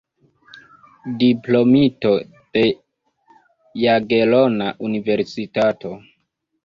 Diplomito de Jagelona Universitato.